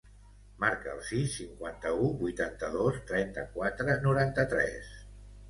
Marca el sis, cinquanta-u, vuitanta-dos, trenta-quatre, noranta-tres.